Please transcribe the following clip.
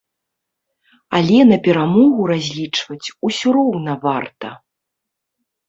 Але на перамогу разлічваць усё роўна варта!